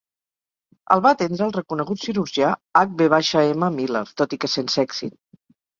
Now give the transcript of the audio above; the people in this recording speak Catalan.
El va atendre el reconegut cirurgià H. V. M. Miller, tot i que sense èxit.